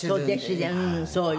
そうよ。